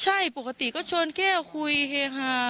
ใช่ปกติก็ชวนแก้วคุยเฮฮา